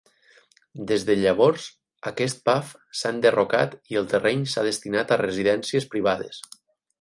Des de llavors, aquest pub s'ha enderrocat i el terreny s'ha destinat a residències privades.